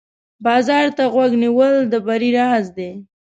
بازار ته غوږ نیول د بری راز دی.